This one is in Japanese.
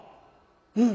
「うん。